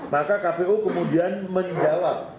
maka kpu kemudian menjawab